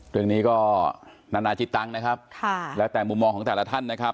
เรื่องนี้ก็นานาจิตังนะครับแล้วแต่มุมมองของแต่ละท่านนะครับ